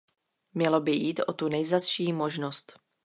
Mělo by jít o tu nejzazší možnost.